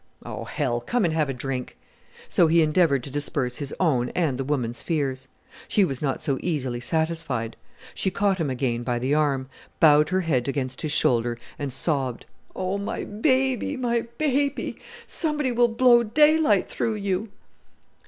"Oh, hell! Come and have a drink." So he endeavoured to disperse his own and the woman's fears. She was not so easily satisfied. She caught him again by the arm, bowed her head against his shoulder, and sobbed, "Oh, my baby! my baby! Somebody will blow daylight through you!"